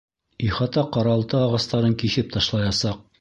Ихата-ҡаралты ағастарын киҫеп ташлаясаҡ!